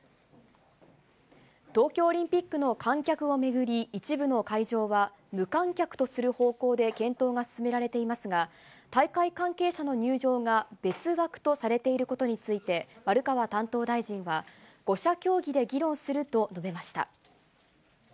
東京オリンピックの観客を巡り、一部の会場は、無観客とする方向で検討が進められていますが、大会関係者の入場が別枠とされていることについて、丸川担当大臣は、５者協議で議論すると述べました。